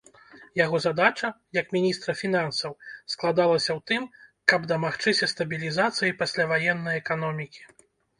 Яго задача, як міністра фінансаў складалася ў тым, каб дамагчыся стабілізацыі пасляваеннай эканомікі.